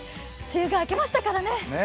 梅雨が明けましたからね。